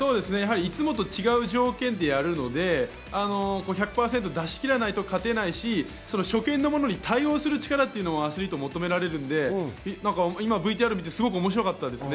いつもと違う条件でやるので、１００％出し切れないと勝てないし、初見に対応するのを求められますし、ＶＴＲを見てすごく面白かったですね。